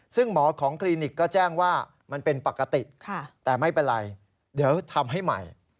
ซึ่งหมอของคลินิกก็แจ้งว่ามันเป็นปกติแต่ไม่เป็นไรเดี๋ยวทำให้ใหม่